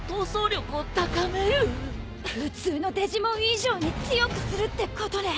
普通のデジモン以上に強くするってことね。